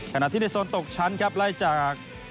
ขณะที่ในโซนตกชั้นหล่ายจาก